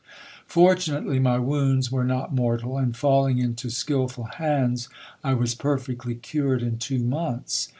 Fortunately my wounds were not mortal ; and, falling into skilful hands, I was perfectly cured in two months.